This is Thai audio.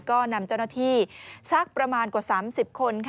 ก็นำเจ้าหน้าที่สักประมาณกว่า๓๐คน